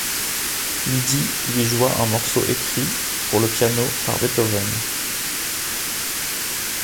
Lydie lui joua un morceau écrit, pour le piano, par Beethoven.